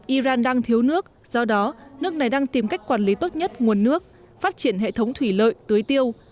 iran đang thiếu nước do đó nước này đang tìm cách quản lý tốt nhất nguồn nước phát triển hệ thống thủy lợi tưới tiêu